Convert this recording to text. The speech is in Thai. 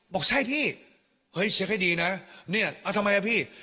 บอกใช่พี่เฮ้ยเช็คให้ดีนะเนี่ยเอาทำไมอ่ะพี่